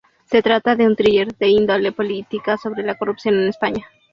Se trata de un thriller de índole política sobre la corrupción en España.